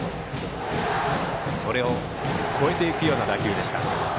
それを越えていくような打球でした。